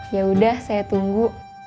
yaudah saya tunggu